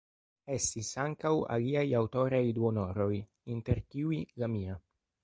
Estis ankaŭ aliaj aŭtoraj duonhoroj, inter kiuj la mia.